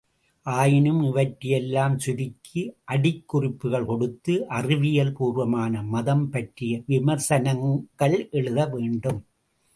ஆயினும் இவற்றையெல்லாம் சுருக்கி, அடிக்குறிப்புகள் கொடுத்து, அறிவியல் பூர்வமான மதம் பற்றிய விமர்சனங்கள் எழுத் வேண்டும்.